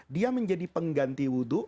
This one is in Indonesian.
dia menjadi pengganti wudhu